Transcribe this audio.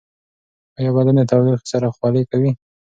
ایا بدن د تودوخې سره خولې کوي؟